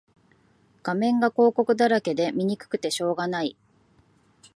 画面が広告だらけで見にくくてしょうがない